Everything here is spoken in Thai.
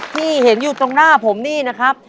ที่เห็นอยู่ตรงหน้าผมนี่นะครับ